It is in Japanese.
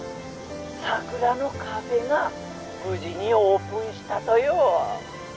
さくらのカフェが無事にオープンしたとよ。